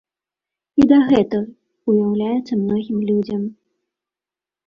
І дагэтуль уяўляецца многім людзям.